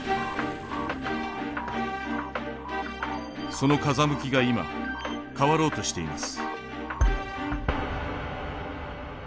その風向きが今変わろうとしています。